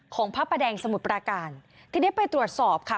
พระประแดงสมุทรปราการทีนี้ไปตรวจสอบค่ะ